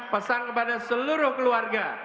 pesan kepada seluruh keluarga